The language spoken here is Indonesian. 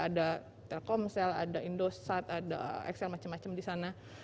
ada telkomsel ada indosat ada excel macam macam di sana